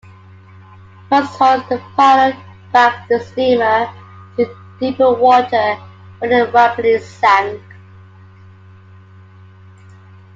Once holed, the pilot backed the steamer into deeper water where it rapidly sank.